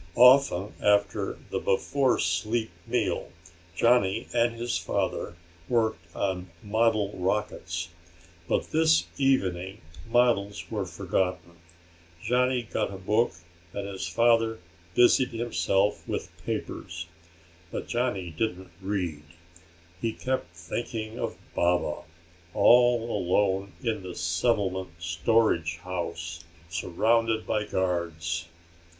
Often after the before sleep meal Johnny and his father worked on model rockets, but this evening models were forgotten. Johnny got a book and his father busied himself with papers. But Johnny didn't read. He kept thinking of Baba, all alone in the settlement storage house, surrounded by guards.